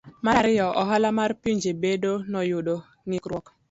Mar ariyo, ohala mar pinje bende noyudo ng'ikruok.